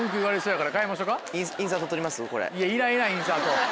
いやいらんいらんインサート。